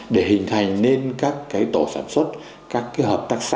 để hình thành nên các cái tổ sản xuất các cái hợp tác xã